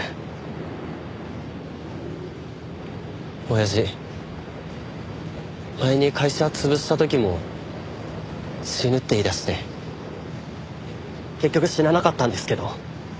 親父前に会社潰した時も死ぬって言い出して結局死ななかったんですけど。